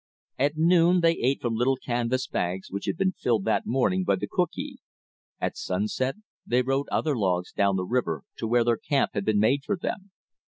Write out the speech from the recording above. At noon they ate from little canvas bags which had been filled that morning by the cookee. At sunset they rode other logs down the river to where their camp had been made for them.